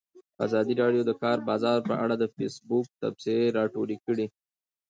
ازادي راډیو د د کار بازار په اړه د فیسبوک تبصرې راټولې کړي.